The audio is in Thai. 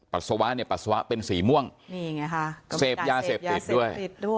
ปัสสาวะเป็นสีม่วงเซพยาเสพติดด้วย